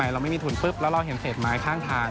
เราไม่มีทุนปุ๊บแล้วเราเห็นเศษไม้ข้างทาง